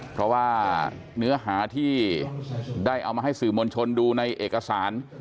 เพราะว่าเนื้อหาที่ได้เอามาให้สื่อมวลชนดูในเอกสาร